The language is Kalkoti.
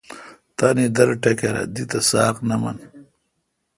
تانی در ٹکرہ ۔دی تہ ساق نہ من